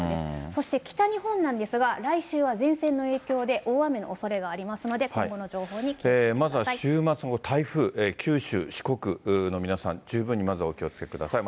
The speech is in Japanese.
そして北日本なんですが、来週は前線の影響で大雨のおそれがありますので、まずは週末の台風、九州、四国の皆さん、十分にまずはお気をつけください。